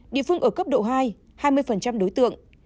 địa phương ở cấp độ hai hai mươi đối tượng